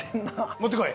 持ってこい。